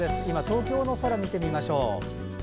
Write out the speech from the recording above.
今、東京の空を見てみましょう。